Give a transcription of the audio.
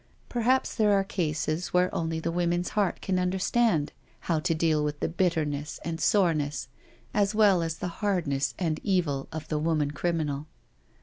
Perhaps there are cases where only the woman's heart can understand how to deal with the bitterness and soreness as well as the hardness and evil of the woman criminal.